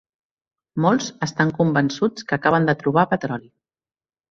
Molts estan convençuts que acaben de trobar petroli.